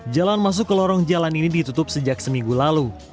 jalan masuk ke lorong jalan ini ditutup sejak seminggu lalu